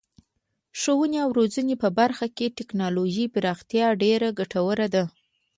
د ښوونې او روزنې په برخه کې د تکنالوژۍ پراختیا ډیره ګټوره ده.